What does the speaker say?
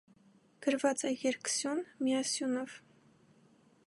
Գրված է երկսյուն, միասյունով։